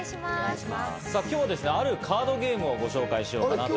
今日は、あるカードゲームをご紹介しようかなと。